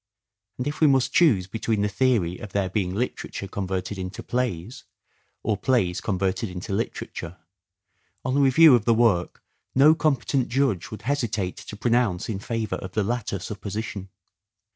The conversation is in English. And if we must choose between the theory of their being literature converted into plays, or plays converted into literature, on a review of the work no competent judge would hesitate to pronounce in favour of the latter supposition.